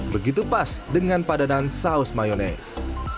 begitu pas dengan padanan saus mayonis